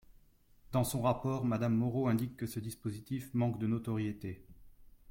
Dans son rapport, Madame Moreau indique que ce dispositif manque de notoriété.